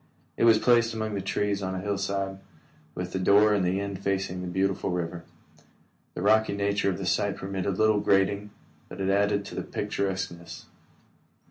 It was placed among the trees on a hillside, with the door in the end facing the beautiful river. The rocky nature of the site permitted little grading, but it added to the picturesqueness.